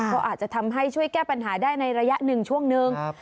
ก็อาจจะทำให้ช่วยแก้ปัญหาได้ในระยะหนึ่งช่วงหนึ่ง